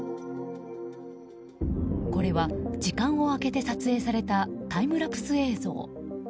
これは、時間を空けて撮影されたタイムラプス映像。